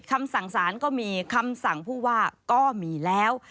คำสั่งสารก็มีคำสั่งผู้ว่าก็มีแล้ว